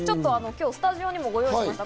今日スタジオにもご用意しました。